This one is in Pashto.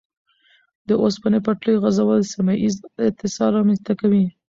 د اوسپنې پټلۍ غځول سیمه ییز اتصال رامنځته کوي.